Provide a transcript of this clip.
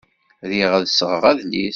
Riɣ ad sɣeɣ adlis.